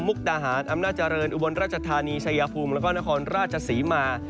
มกตาหาดอำนาจเรินอุบันราชธารีชายภูมิทร์แล้วก็นครราชศรีหมา